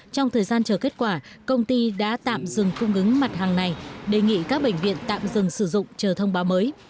trong thời gian chờ kết quả công ty đã tạm dừng cung ứng mặt hàng này đề nghị các bệnh viện tạm dừng sử dụng chờ thông báo mới